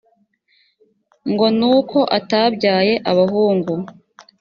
ngo ni uko atabyaye abahungu?